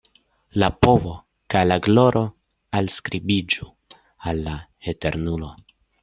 La povo kaj la gloro alskribiĝu al la Eternulo.